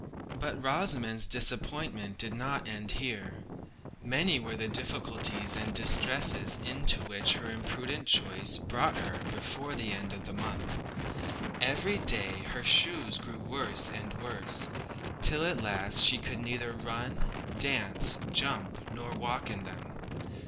But Rosamond's disappointment did not end here. Many were the difficulties and distresses into which her imprudent choice brought her before the end of the month. Every day her shoes grew worse and worse, till at last she could neither run, dance, jump, nor walk in them.